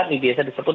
ini biasa disebut